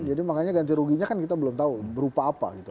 jadi makanya ganti ruginya kan kita belum tahu berupa apa gitu